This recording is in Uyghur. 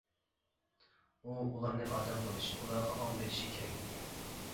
ئۇ ئۇلارنى ئادەم قىلىش، ئۇلارغا ئاڭ بېرىشى كېرەك ئىدى.